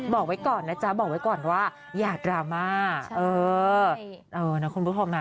บอกไว้ก่อนนะจ๊ะบอกไว้ก่อนว่าอย่าดราม่าเออเออนะคุณผู้ชมนะ